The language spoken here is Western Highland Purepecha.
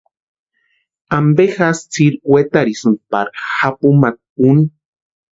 ¿Ampe jásï tsiri wetarhisïnki pari japumata úni?